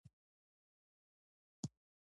دوی د چشم بندۍ خاص جادو کوي.